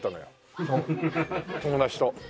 友達と。